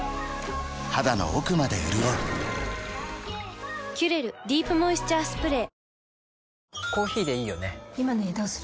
肌の奥まで潤う「キュレルディープモイスチャースプレー」